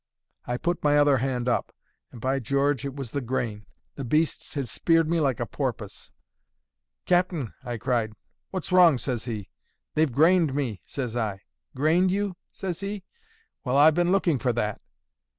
I put my other hand up, and by George! it was the grain; the beasts had speared me like a porpoise. 'Cap'n!' I cried. 'What's wrong?' says he. 'They've grained me,' says I. 'Grained you?' says he. 'Well, I've been looking for that.'